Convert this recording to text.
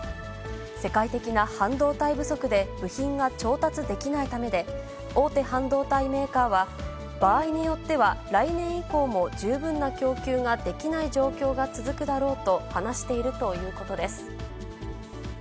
世界的な半導体不足で部品が調達できないためで、大手半導体メーカーは、場合によっては来年以降も十分な供給ができない状況が続くだろうと話しているということです。